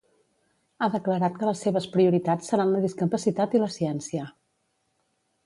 Ha declarat que les seves prioritats seran la discapacitat i la ciència.